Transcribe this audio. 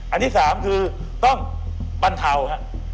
อันที่๓คือต้องบรรเทาฮะ